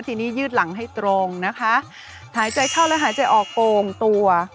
ทีนี้ยืดหลังให้ตรงนะคะหายใจเช่าและหายใจออกโอ่งตัว